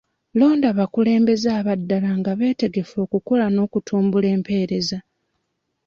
Londa abakulembeze abaddala nga betegefu okukola n'okutumbula empeereza.